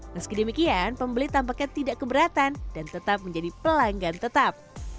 meski demikian pembeli tampaknya tidak keberatan dan tetap menjadi pelanggan tetap